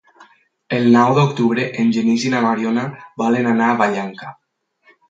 El nou d'octubre en Genís i na Mariona volen anar a Vallanca.